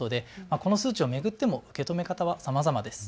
この数値を巡っても受け止め方はさまざまです。